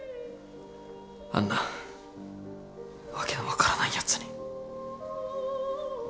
あんな訳の分からないやつに。